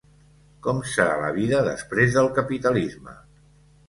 Com serà la vida després del capitalisme?